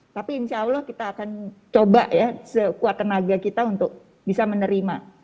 tapi insya allah kita akan coba ya sekuat tenaga kita untuk bisa menerima